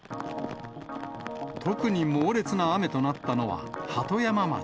特に猛烈な雨となったのは、鳩山町。